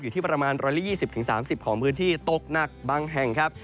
อยู่ที่ประมาณ๑๒๐๓๐ของพื้นที่ตกหนักบางแห่งครับ